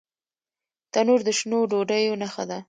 تنور د شنو ډوډیو نښه ده